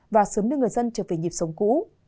và sớm đưa người dân trở về nhịp sống cũ